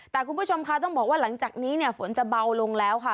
แต่คุณผู้ชมค่ะต้องบอกว่าหลังจากนี้เนี่ยฝนจะเบาลงแล้วค่ะ